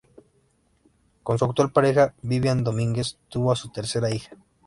Con su actual pareja, Vivian Domínguez, tuvo a su tercera hija.